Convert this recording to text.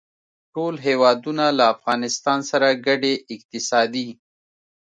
ټول هېوادونه له افغانستان سره ګډې اقتصادي